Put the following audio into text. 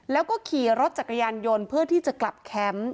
แล้วก็ขี่รถจักรยานยนต์เพื่อที่จะกลับแคมป์